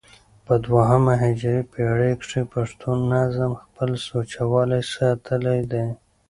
په دوهمه هجري پېړۍ کښي پښتو نظم خپل سوچه والى ساتلى دئ.